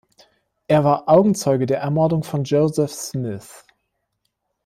Er war Augenzeuge der Ermordung von Joseph Smith.